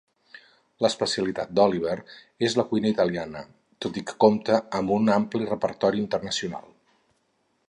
L'especialitat d'Oliver és la cuina italiana, tot i que compta amb un ampli repertori internacional.